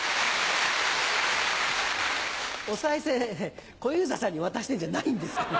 おさい銭小遊三さんに渡してんじゃないんですから。